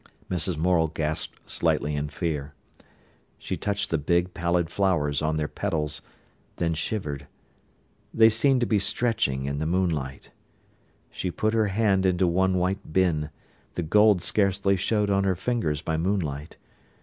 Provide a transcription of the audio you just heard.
Mrs. Morel gasped slightly in fear. She touched the big, pallid flowers on their petals, then shivered. They seemed to be stretching in the moonlight. She put her hand into one white bin: the gold scarcely showed on her fingers by moonlight.